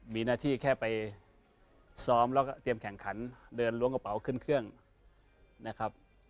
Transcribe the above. มีหน้าที่แค่ไปซ้อมแล้วก็เตรียมแข่งขันเดินล้วงกระเป๋าขึ้นเครื่องนะครับ